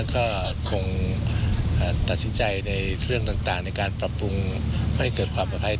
ก็คงตัดสินใจในเครื่องต่างในการปรับปรุงให้เกิดความปลอดภัย